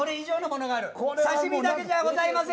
刺身だけではございません。